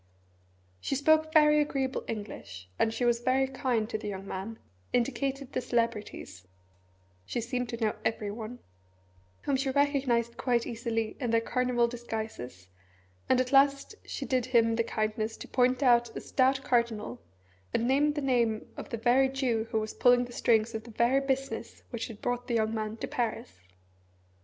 She spoke very agreeable English, and she was very kind to the young man, indicated the celebrities she seemed to know everyone whom she recognised quite easily in their carnival disguises, and at last she did him the kindness to point out a stout cardinal, and named the name of the very Jew who was pulling the strings of the very business which had brought the young man to Paris.